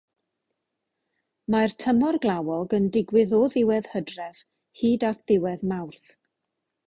Mae'r tymor glawog yn digwydd o ddiwedd Hydref hyd at ddiwedd Mawrth.